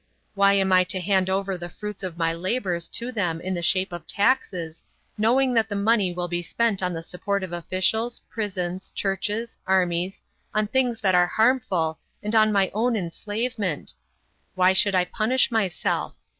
Why am I to hand over the fruits of my labors to them in the shape of taxes, knowing that the money will be spent on the support of officials, prisons, churches, armies, on things that are harmful, and on my own enslavement? Why should I punish myself?